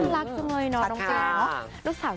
รักจังเลยเนาะน้องแจ๊ะ